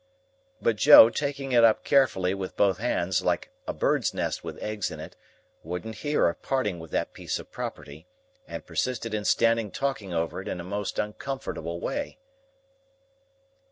But Joe, taking it up carefully with both hands, like a bird's nest with eggs in it, wouldn't hear of parting with that piece of property, and persisted in standing talking over it in a most uncomfortable way.